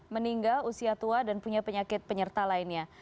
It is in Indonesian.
meninggal usia tua dan punya penyakit penyerta lainnya